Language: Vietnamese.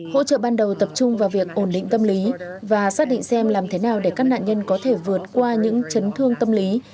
hỗ trợ ban đầu tập trung vào việc ổn định tâm lý và xác định xem làm thế nào để các nạn nhân có thể vượt qua những chấn thương tâm lý